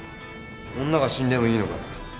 女が死んでもいいのか？